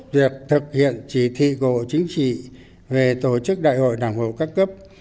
việc thực hiện chỉ thị cổ chính trị về tổ chức đại hội đảng bộ các cấp